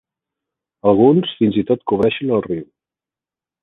Alguns fins i tot cobreixen el riu.